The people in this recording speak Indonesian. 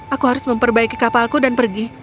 aku harus memperbaiki kapalku dan pergi